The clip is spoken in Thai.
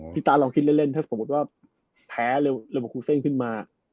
พี่ตาลลองคิดเล่นถ้าสมมุติว่าแพ้หรือเลเวอร์คูซเซ็นขึ้นมา